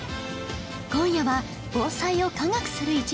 今夜は防災を科学する１時間